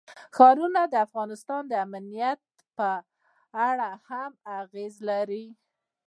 ښارونه د افغانستان د امنیت په اړه هم اغېز لري.